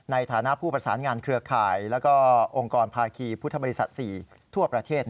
ในฐานะผู้ประสานงานเครือข่ายและองค์กรภาคีพุทธบริษัท๔ทั่วประเทศ